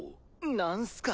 何すか？